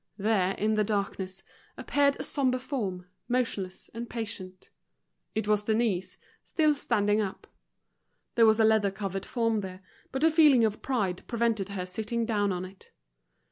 There, in the darkness, appeared a sombre form, motionless and patient. It was Denise, still standing up; there was a leather covered form there, but a feeling of pride prevented her sitting down on it.